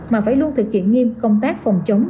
mà phải luôn thực hiện nghiêm công tác phòng chống